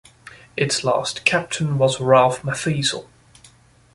Its last captain was Ralf Matheisel.